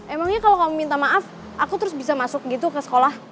emangnya kalau kamu minta maaf aku terus bisa masuk gitu ke sekolah